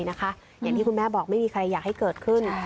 อย่างที่คุณแม่บอกไม่มีใครอยากให้เกิดขึ้น